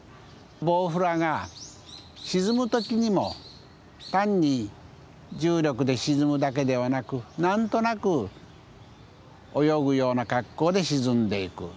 孑孑が沈む時にも単に重力で沈むだけではなく何となく泳ぐような格好で沈んでいく。